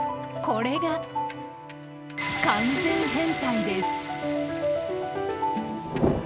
これが完全変態です。